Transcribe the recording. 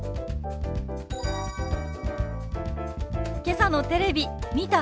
けさのテレビ見た？